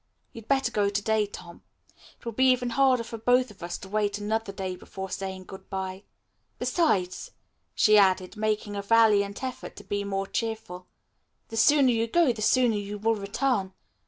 "You'd better go to day. Tom. It will be even harder for both of us to wait another day before saying good bye. Besides," she added, making a valiant effort to be cheerful, "the sooner you go, the sooner you will return.